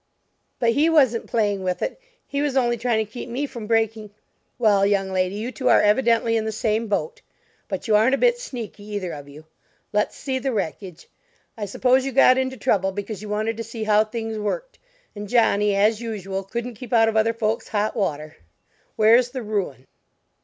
"But he wasn't playing with it, he was only trying to keep me from breaking " "Well, young lady, you two are evidently in the same boat; but you aren't a bit sneaky, either of you. Let's see the wreckage; I suppose you got into trouble because you wanted to see how things worked, and Johnny, as usual, couldn't keep out of other folks' hot water. Where's the ruin?"